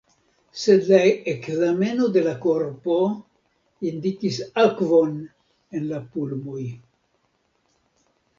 Sed la ekzameno de la korpo indikis akvon en la pulmoj.